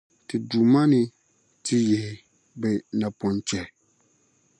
ti Duuma ni ti yihi bɛ napɔnchahi.